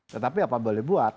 tetapi apa boleh buat